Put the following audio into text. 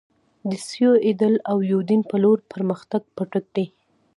د سیوایډل او یوډین په لور پر مخ په تګ دي.